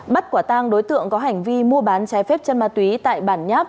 bắt quả tang đối tượng có hành vi mua bán trái phép chân ma túy tại bản nháp